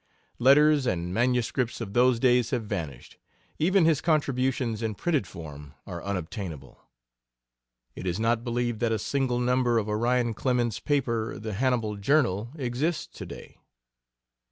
Letters and manuscripts of those days have vanished even his contributions in printed form are unobtainable. It is not believed that a single number of Orion Clemens's paper, the Hannibal Journal, exists to day.